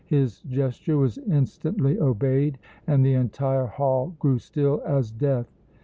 His gesture was instantly obeyed and the entire hall grew still as death.